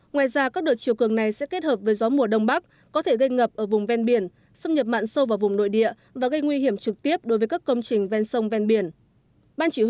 ngoài ra các đợt chiều cường này sẽ kết hợp với gió mùa đông bắc có thể gây ngập ở vùng ven biển xâm nhập mặn sâu vào vùng nội địa và gây nguy hiểm trực tiếp đối với các công trình ven sông ven biển